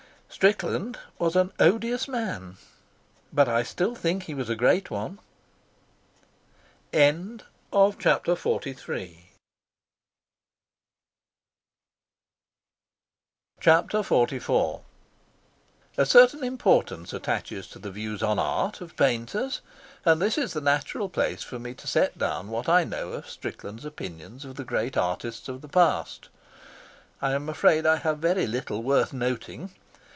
Strickland was an odious man, but I still think he was a great one. Chapter XLIV A certain importance attaches to the views on art of painters, and this is the natural place for me to set down what I know of Strickland's opinions of the great artists of the past. I am afraid I have very little worth noting.